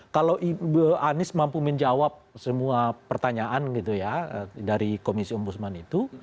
kalau anis mampu menjawab semua pertanyaan dari komisi ombusman itu